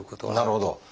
なるほど。